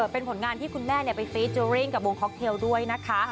เป็นผลงานที่คุณแม่ไปฟีดเจอร์ริ่งกับวงค็อกเทลด้วยนะคะ